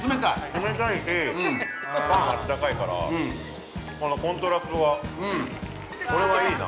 ◆冷たいしパンがあったかいからコントラストが、これはいいな。